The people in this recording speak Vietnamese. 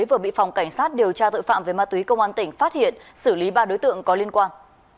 vừa bị phòng cảnh sát điều tra tội phạm về ma túy công an tỉnh phát hiện xử lý ba đối tượng có liên quan